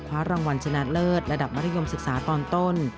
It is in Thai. คว้ารางวัลชนะเลิศระดับมัธยมศึกษาตอนต้น